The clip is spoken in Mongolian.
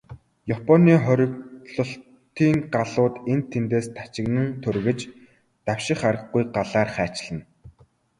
Японы хориглолтын галууд энд тэндээс тачигнан тургиж, давших аргагүй галаар хайчилна.